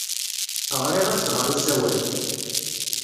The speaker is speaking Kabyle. Ɣriɣ-as-d ɣer usawal.